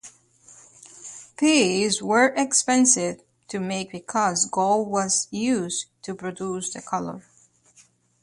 These were expensive to make because gold was used to produce the color.